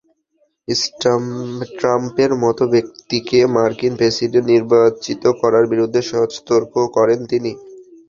ট্রাম্পের মতো ব্যক্তিকে মার্কিন প্রেসিডেন্ট নির্বাচিত করার বিরুদ্ধে সতর্ক করেন তিনি।